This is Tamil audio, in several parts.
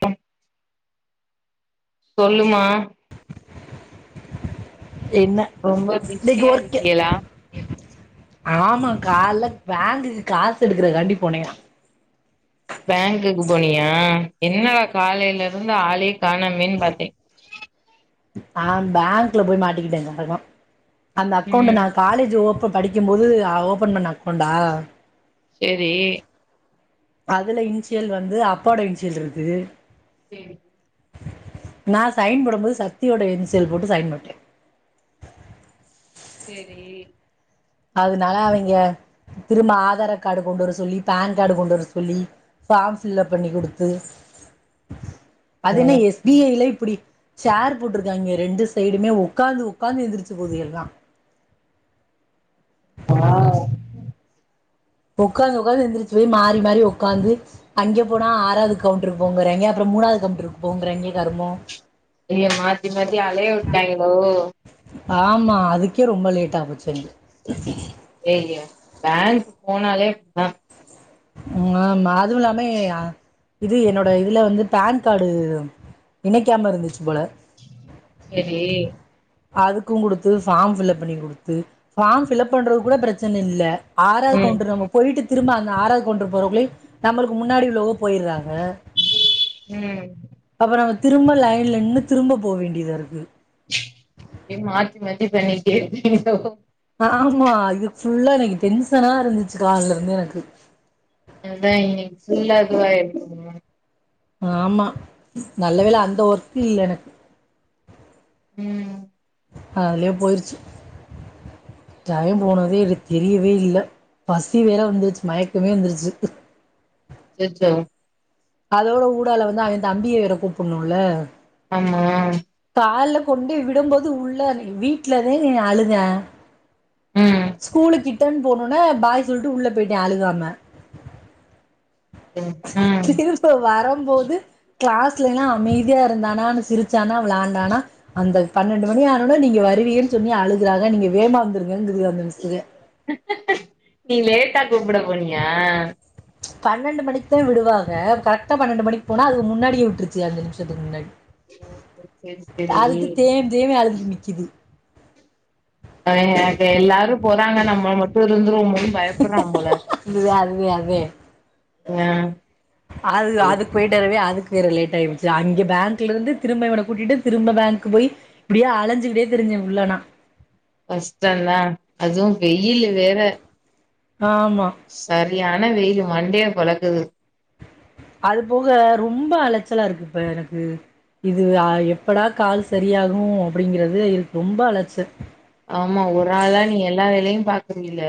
பம் சொல்லுமா என்ன ரொம்ப இன்னைக்கு பிஷியா ஒர்க்கு இருக்கெலா ஆமா காலேல பேங்க்குக்கு காசு எடுக்கற காண்டி போன பேங்க்குக்கு போனியா என்னட காலையில இருந்து ஆளையே காணமன்னு பாத்தே ஆ பேங் உள்ளபோய் மாட்டிக்கிட்டே [unintelligible] அந்த அக்கௌண்ட் ம் நா காலேஜ் ஓப் படிக்கும் போது ஓபன் பண்ண அக்கௌண்டா செரி அதுல இன்சியல் வந்து அப்போட இன்சியல் இருக்கு சேரி நான் சைன் போடும்போது சக்தியோட என்சியல் போட்டு சைன் போட்டே சேரி அதனால அவிங்க திரும்ப ஆதார கார்டு கொண்டு வர சொல்லி பேன் கார்டு கொண்டு வர சொல்லி ஃபார்ம் ஃபில்ப் பண்ணி குடுத்து அதனை ம் எஸ் பி ஐ ல அப்டி சேர் போட்டிருக்காங்க ரெண்டு சைடுமே உக்காந்து உ்க்காந்து எந்திரிச்சு போது எல்லா ஆ உக்காந்து உ்க்காந்து எந்திரச்சு போய் மாறி மாறி உக்காந்து அங்கே போனா ஆறாவது கவுண்டருக்கு போங்கறய்ங்க அப்புறோ மூணாவது கவுண்டருக்கு போங்கறய்ங்க கருமோ ஏய மாத்தி மாத்தி அலைய விட்டாங்களோ ஆம்மா அதுக்கே ரொம்ப லேட் ஆ போச்சு எனக் ஏய்ங்க பேங்க் போனாலே ஆ ஆமா அதுவு இல்லாமே இது என்னோட இதுல வந்து பேன் கார்டு இணைக்காம இருந்துச்சு போல செரி அதுக்கு குடுத்து ஃபார்ம் ஃபில்லப் பண்ணி குடுத்து ஃபார்ம் ஃபில்ப் பண்ணுறது கூட பிரச்சன இல்ல ஆறாவது ம் கவுண்டர் நம்ம போயிட்டு திரும்ப அந்த ஆறாது வுண்டர் போறக்குள்ளயு நமளுக்கு முன்னாடி உள்ள ஒப் போயிறாங்க ம் அப்டியே அப்புற நம்ம திரும்ப லைன்ல நின்னு திரும்ப போ வேண்டியதா இருக்கு ஏ மாத்தி மாத்தி பண்ணிட்டே இருக்கிங்களோ ஆமா இது ஃபுல்லா எனக்கு டென்சனா இருந்துச்சு காலல இருந்து எனக்கு அதா இன்க்கு வுல்லா இதுவாயிருமே ஆம்மா நல்ல வேலை அந்த ஒர்க் இல்ல எனக்கு உம் அதுலயே போயிருச்சு டைம் போனதே எனக்கு தெரியவே இல்ல பசி வேற வந்துருச்சு மயக்கமே வந்துருச்சு அச்சச்சோ அதோட ஊடால வந்து அவன் தம்பிய வேற கூப்பிடணும்ல ஆம்மா கால்ல கொண்டு விடும்போது உள்ள நீ வீட்டுலதே நீ அழுத ம் ஸ்கூல் கிட் த்தன் போனும்ன பாய் சொல்லிட்டு உள்ள போயிட்டேன் அழுகாம ம் ம் திருப்ப வரம்போது கிளாஸ்ல எல்லாம் அமைதியா இருந்தானனு சிரிச்சானா விளையாண்டானா அந்த பன்னெண்டு மணி ஆனனா நீங்க வருவீன்னு சொல்லி அழுகறாங்க நீங்க வேமா வந்துரு [unintelligible] மிஸுக்க நீ லேட்டா கூப்பிட போனியா பன்னெண்டு மணிக்கு தான் விடுவாக கரெக்டா பன்னெண்டு மணிக்கு போனா அதுக்கு முன்னாடியே விட்டுருச்சு அஞ்சு நிமிஷத்துக்கு முன்னாடி ஓஹோ செரி செரி அதுக்கு தேம்பி தேம்பி அழுதுக்கு நிக்குது எல்லாரும் போறாங்க நம்ம மட்டும் இருந்துருவோமோ இது அதுத அதே உஹ் அது அதுக்கு போய்டட்டுரவே அதுக்கு வேற லேட் ஆயிடுச்சு அங்க பேங்க்ல இருந்து திரும்பவன கூட்டிகிட்டு திரும்ப பேங்க்க் போய் இப்படியா அழஞ்சுக்கிட்டே திரிஞ்சன் உல்லனா கஷ்டம் தான் அதுவும் வெயில் வேற ஆமா சரியான வெயில் மண்டைய பொளக்குது அது போக ரொம்ப அலைச்சலா இருக்கு இப்ப எனக்கு இது அ எப்படா கால் சரியாகும் அப்படிங்கறதுக்கு ரொம்ப அலச்சல் ஆமா ஒரு ஆள்ளா நீ எல்லா வேலையும் பாக்குறீள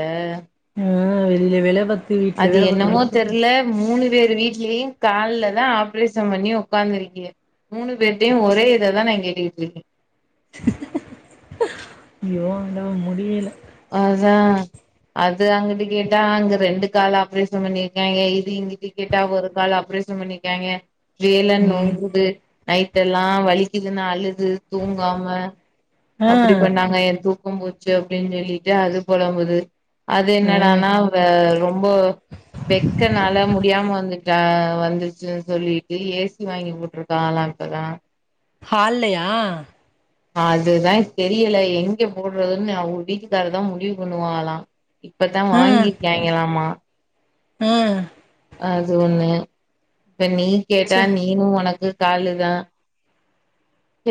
ஆஹ் வெளிய வேல வீட்ல அது வேல பாத்து என்னமோ சுத்தம் தெரில மூணு பேர் வீட்லயும் கால்ல தான் ஆப்ரேஷன் பண்ணி உக்காந்துருக்கீங்க மூணு பேர்டையும் ஒரே இத தான் நான் கேட்டுட்டு இருக்கேன் யோ அ முடியல அதான் அது அங்கட்டு கேட்டா அங்க ரெண்டு கால் ஆபரேஷன் பண்ணிருக்காங்க இது இங்கட்டு கேட்டா ஒரு கால ஆபரேஷன் பண்ணிருக்காங்க வேல ம் நொங்குது நைட் எல்லாம் வலிக் இது நாலு தூங்காம ஆ அப்படி பண்ணாங்க என் து தூக்கம் போச்சு அப்படின்னு சொல்லி அது போலம்புது அது ஆ என்னடானா ரொம்ப வெக்கனால முடியாம வந்து ஆ வந்துச்சுன்னு சொல்லிட்டு ஏசி வாங்கி போட்டுருக்காலாம் இப்பதான் ஹால்லையா அதுதான் தெரியல எங்க போடுறதுன்னு அவங்க வீட்டுக்கார தான் முடிவுக்குண்ணுவான்கலா இப்பதான் வாங்கிருக்காங்களாமா உம் அது ஒண்ணு இப்ப நீ ச கேட்டா நீயும் உனக்கு காலுதா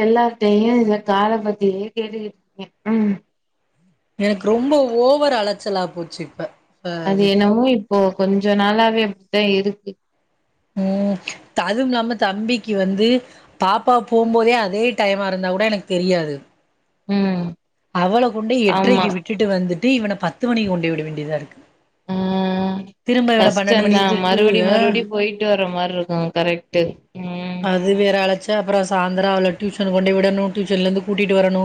எல்லாத்தையு இத கால பத்தியே கேட்டுக்கிட்டு இருக்கே உம் எனக்கு ரொம்ப ஓவர் அலச்சலா போச்சு இப்ப அ அது இது என்னமோ இப்போ கொஞ்ச நாளாவே அப்படித்தா இருக்கு உம் அதுவுலாம தம்பிக்கு வந்து பாப்பா போம்போதே அதே டைமா இருந்தா கூட எனக்கு தெரியாது உம் அவள கொண்டு எட்டரைக்கு விட்டுட்டு வந்துட்டு இவன பத்து மணிக்கு கொண்டு விட வேண்டிதா இருக்கு ம் திரும்ப இவன பன்னெண்டு கஷ்டந்தா மணிக்கு கூப்ட்டு மறுபடியு ஆ மறுபடியு போயிட்டு வர மாரி இருக்கு கரெக்டு அது வேற அழச் அப்புறோ சாயந்திரோ அவள டியூஷன் கொண்டே விடணு டியூஷன்ல இருந்து கூட்டிட்டு வரணு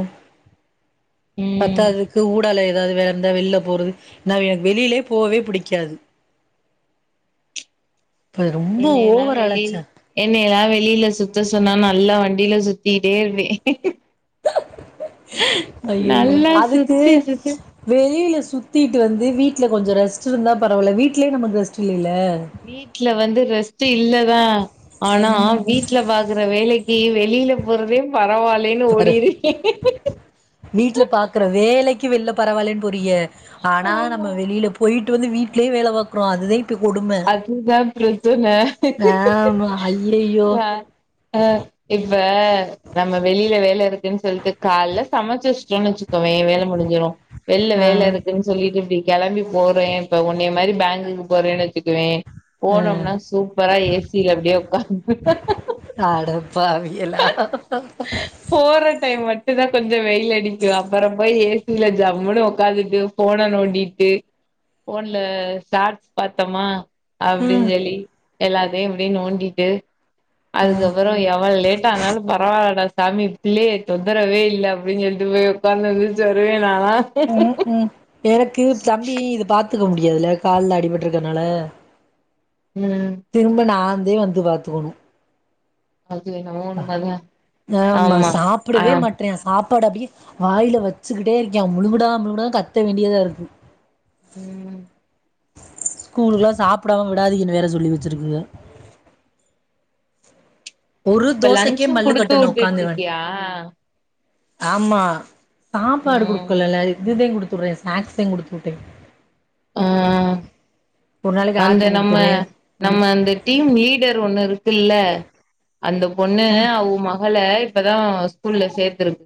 ம் பத்தாதுக்கு ஊடலைய து வேல இருந்தா வெளியில போறது ந எனக்கு வெளியிலே போகவே பிடிக்காது என்னெயல்லா வெளி என்னெயல்லா வெளி வெளியில சுத்த சொன்னா நல்லா வண்டியில சுத்திட்டே இருவே ஐயயோ நல்லா அதுக்கு சுத்தி சுத்தி வெளியில சுத்திட்டு வந்து வீட்டுல கொஞ்சம் ரெஸ்ட் இருந்தா பரவல வீட்டுலயே நமக்கு ரெஸ்ட் இல்லைல வீட்டு்ல வந்து ரெஸ் டே இல்லதா ஆனா வீட்டுல பாக்குற வேலைக் கி வெளியில போறதே பரவால் பாரு வீட்டுல பாக்குற வேலைக் க்கு வெளில பரவாலன்னு போரிய ஆனா நம்ம ஆமா வெளியில போயிட் வந்து வீட்லயே வேல பாக்றோ அதுதே அதுதா ப்ர ஆமா ஐயயோ ஆ எ ப்ப நம்ம வெளியில வேல இருக் அப்டின்னு சொல்லிட்டு கால்ல சமைச்சு வச்சுட்டோனு வச்சுக்கோவே வேல முடிஞ்சிடு வெளில ஆ வேல இருக்குன்னு சொல்லிட்டு இப்டி கெளம்பி போறே இப்ப ஒன்னய மாரி பேங்குக்கு போறேன்னு த்துக்குவே ஆ போனம்னா சூப்பரா ஏசில அப்டியே உக்காந் அடப்பாவிகளா போற டைம் மட்டு தா கொஞ்ஜொ வெயில் அடிக்கு அப்பறம் பொய் ஏசியில ஜம்முனு உக்காந்துட்டு போன நோண்டிட்டு போன்ல சார்ஜ் பத் துமா ம் அப்டிஞ்சொல்லி எல்லாத்தையு அப்டிய் நோண்டிட்டு ம் அதுக்கப்பறொ எவ்வள் லேட் ஆனாலு பரவால்லடா சாமி பிள்ளெய தொந்தரவே இல்லை அப்டின் சொல்ட்டு போய் உட்காந்து வீல்ச்சேரு நாலா ம் ம் எனக்கு தம்பி இது பாத் துக்க முடியாதுல கால்ல அடிபட்ருக்கனால ம் திரும்ப நான் அதையு வந்து வாத்துக்கணு அது என்னமோ உண்மதா ஆமா ஆ சாப்டவே மாட்றா சாப் பாடப்டிய் வாயில வச்சுகிட்டே இருக்யா முழுங்குடா முழுங்குடான் கத்த வேண்டியதாருக்கு உம் ஸ்கூலுக்குலா சாப்டாம விடாதிங்கனு வேற சொல்லி வச்சிருக்குக ஒரு இப்ப தோசைக்கே லன்ச்சு மல்லு குடுத்து கட்டணு உக்காந்துருவே உட்டுட்ருக்கியா ஆமா சாப்பாடு ம் குடுக்கலல்ல இதுதே குடு துட்றே ஸ்நாக்ஸையு குடுத்துட்டே நாளைக்கு வந்த ஆப்பிள் நம்ம குடுத்துடுவே நம்ம அந்த டீம் லீடர் ஒண்ணு இருக் குல்ல அந்த பொண்ணு அ அவு மகள இப்பதா ஸ்கூல்ல சேர்த்துருக்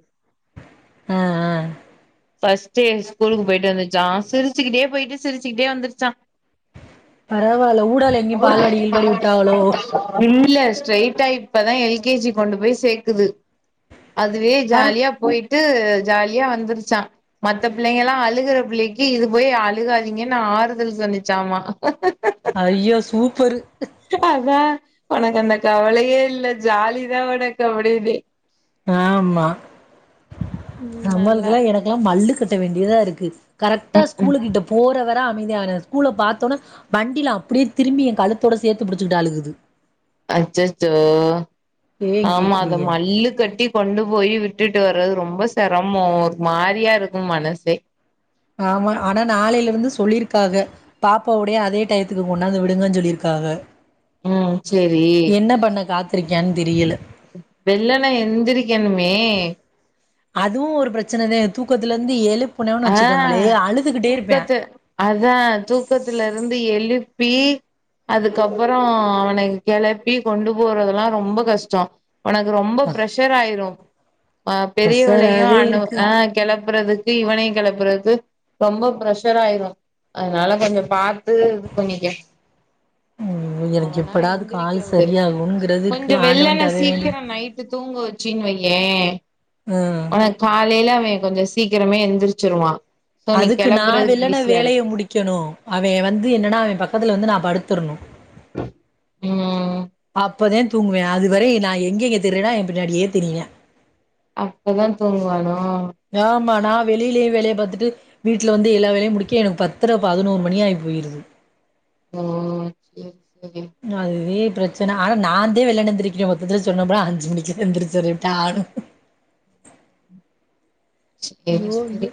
ஹ ஆஹ் ஃபர்ஸ்ட்டே ஸ்கூலுக்கு பொயிட்டு வந்துச்சா சிரிச்சிகிட்டே பொயிட்டு சிரிச்சிகிட்டே வந்துருச்சா பரவால்ல ஊடால எங்கயு பால்வாடி கீழ்வாடி உட்டாகளோ இல ஸ்ட்ரைட்டா இப்பதா எல்கேஜி கொண்டு பொய் சேக்குது அதுவே பாரே ஜாலியா போயிட் ட்டு ஜாலியா வந்துருச்சா மத்த பிள்ளைங்கலா அழுகுற பிள்ளைக்கு இது போய் அழுகாதிங்கன்னு ஆறுதல் சொன்னிச்சாமா ஐயோ சூப் பரு ஒனக்கந்த கவலையே இல்ல ஜாலிதா ஒனக்கு அப்டின்னு ஆமா ம் நம்மளுக்கு எல்லா நல்லாதா எனக்கெல்லா மல்லுக்கு கட்ட வேண்டியதா இருக்கு கரெக்டா ஸ்கூலு கிட்ட போற வர அமைதியான ஸ்கூல பாத்தோன வண்டியில அப்டியே திரும்பி என் கழுத்தோட சேத்து பிடிச்சிட்டு அழுகுது அச்சச்சோ ஏ ஆமா அத கேக்குறீய மல்லு கட்டி கொண்டு போய் விட்டுட்டு வர்றது ரொம்ப சிரமோ ஒரு மாரியா இருக்கும் மனசே ஆமா ஆனா நாளையில இருந்து சொல்லிருக்காஹா பாப்பாவவுடையே அதே டயத்துக்கு கொண்டாந்து விடுங்கன்னு சொல்லியிருக்காஹ உஹம் செரி ரிக்கானு தெரியல வெள்ளனெ எந்திரக்கணுமே அதுவு ஒரு பிரச்சனதா தூக்கத்துல இருந்து எழுப்பு ஆஹ் தூக்கத்து அத்தா தூக்கத்துல இருந்து எழுப்பி ப்பி அதுக்கப்புறோ அவன கெளப்பி கொண்டு போறதெல்லா ரொம்ப கஷ்டோ உனக்கு ரொம்ப ப்ரஷர் ஆயிரு ஆஹ பெரியவளையு ப்ரெஷராவே அ இருக்கு ஆஹ கெளப்புறது டியே இவனையு கெப்புறது ரொம்ப பெஷர் ஆயிரு அதனால கொஞ்சோ பாத் து இது பண்ணிக்க ம் எனக்கு அவனாவே எப்படா அது எந்திரிக்க கால் விடு சரியாகுங்கிறது இருக்கு கொஞ்சோ வெள்ளனென ஆண்டவன்ட்ட அதே வேண்டி சீக்கிரோ நைட்டு தூங்க வெச்சேன்னு வை ஏயா ம் ஆனா காலையில கொஞ்சோ சீக்கிரமே எந்திரிச்ச ச்சிருவா அதுக்கு நா வெலன்னா வேலைய முடிக்கணு அவே வந்து என்னன்னா அவே பக்கத்துல வந்து நா படுத்து திருணு அப் ம் அப்பதா தூங்குவா அதுவர நா எங்க எங்க திரியிறனோ என் பின்னாடியே திரியிவா அப்பதா தூங்குவானோ ஆமா நா வெளியிலேயு வேலைய பாத்தட்டு வீட்டுல வந்து எல்லா வேலையு முடிக்க எனக்கு பத்திர பதினோரு மணி ஆகி போயிருது ஒ சேரி சேரி அதுவே பிரச்சன ஆனா நா தா வெள்ளென எந்திருக்கிறே மொத்தத்துல சொன்ன போன அஞ்சு மணிக்கு எந்திரச்சிட்ரே டான்னு சேரி சேரி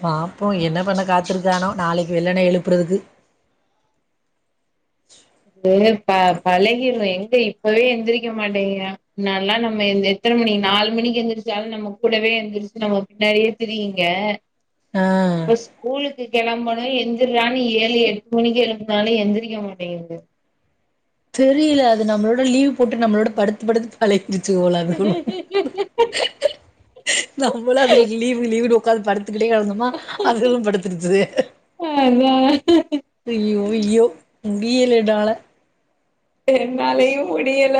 பாப்போ என்ன பண்ண காத்திருக்கானோ நாளைக்கு வெல்லென எழுப்புறதுக்கு [inaudible] ப பழகிடோ எங்க இப்பவே எந்திரிக்க மாட்டேங்கிறா நல்லா நம்ம எத்தன மணி நாலு மணிக்கு எந்திரிச்சாலு நம்ம கூடவே எந்திரிச்சு நம்ம பின்னாடியே திரியுங்க ஆ இப்ப ஸ்கூல் கு கிளம்பணு எந்திறான்னு ஏழு எட்டு மணிக்கு எழுப்புனாலு எந்திரிக்க மாட்டேங்குது தெரியல அது நம்மளோட லீவ் போட்டு நம்மளோட படுத்து படுத்து பழ டுச்சு போல இருக்கு நம்மளு அதுங்களுக்கு லீவ் லீவ்னு கால் படு த்துகிட்டே இருந்தோம்னா அதுகளு படுத்துருது ஐயோ ஐயோ முடியல என்னால என்னாலயு முடியல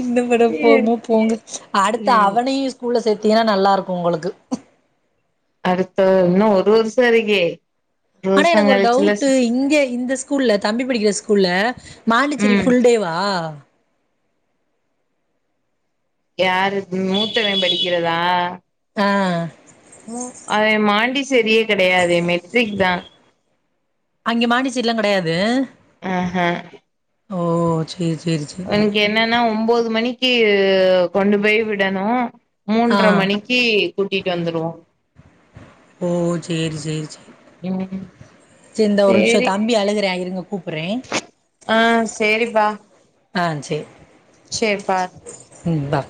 இந்த விட போறமோ போங்க அடுத்த ம் அவனையு ஸ்கூல்ல சேத் தீனா நல்லாருக்கு உங்களுக்கு அடுத்த இன்னு ஒரு வருஷோ இருக்கே ஒரு ஆனா வருஷோ எனகொரு கழிச்சுல ஸ் டவுட்டு இங்க இந்த ஸ்கூல்ல தம்பி படிக்கிற ஸ்கூல்ல மான்டிசெரி ம் ஃபுல் டேவா யாரு மூத்தவெ படிக்கிறதா ஆ ம் அத மாண்டிசேரியே கெடையாதே மெட்ரிக் தா அங்கெ மான்டிசேரிலா கெடையாது ஆ ஹே ஓ செ ஒனக்கு என்னனா ஒம்போது மணிக் க்கி கொண்டு போய் விடணும் ஆ மூன்ற மணிக்கு கூட்டிட்டு வந்துருவோ ஓ சேரி சேரி செ ம் ச இந்த ஒரு நிம்ஷோ சேரி தம்பி அழுகுறா இருங்க கூப்புட்றே ஆ சேரிப்பா ஆ சேர் பா உம் பா